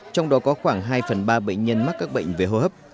trong đó có khoảng hai phần ba bệnh nhân mắc các bệnh về hô hấp